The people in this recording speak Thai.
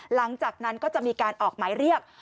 หลังจากนั้นก็จะมีการออกหมายเรียก